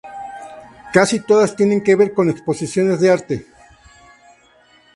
Casi todas tienen que ver con exposiciones de arte.